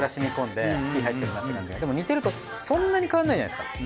でも煮てるとそんなに変わらないじゃないですか。